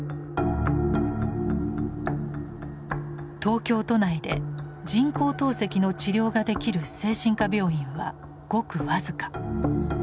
東京都内で人工透析の治療ができる精神科病院はごく僅か。